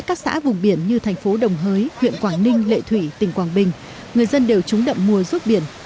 các xã vùng biển như thành phố đồng hới huyện quảng ninh lệ thủy tỉnh quảng bình người dân đều trúng đậm mùa ruốc biển